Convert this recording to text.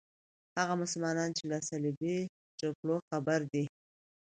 هغه مسلمانان چې له صلیبي جګړو خبر دي.